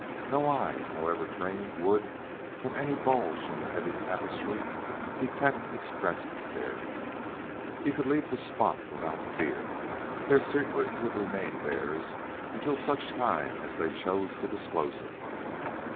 No eye, however trained, would, from any bulge in the heavy tapestry, detect its presence there. He could leave the spot without fear; their secret would remain theirs until such time as they chose to disclose it.